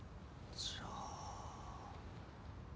じゃあ。